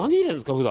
普段。